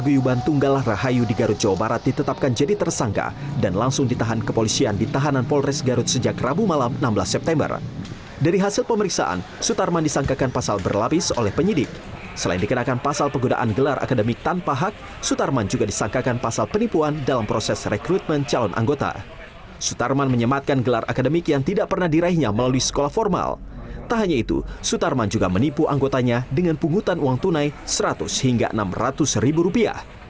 juga menipu anggotanya dengan punggutan uang tunai seratus hingga enam ratus ribu rupiah